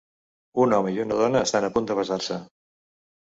un home i una dona estan a punt de besar-se